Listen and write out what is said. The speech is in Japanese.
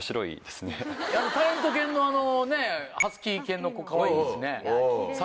タレント犬のハスキー犬の子かわいいですね。